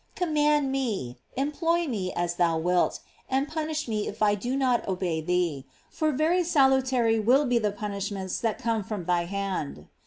Command me, employ me as thou wilt, and punish me if I do not obey thee, for very salutary will be the punishments that come from thy hand.